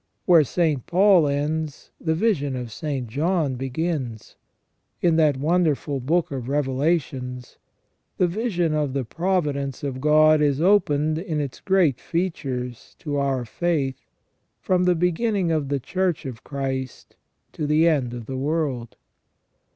Where St. Paul ends the vision of St. John begins. In that wonderful Book of Reve lations, the vision of the providence of God is opened in its great features to our faith from the beginning of the Church of Christ to the end of the world.